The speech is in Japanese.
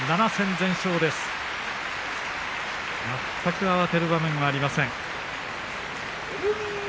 全く慌てる場面がありません。